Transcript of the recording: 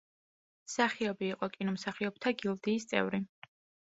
მსახიობი იყო კინომსახიობთა გილდიის წევრი.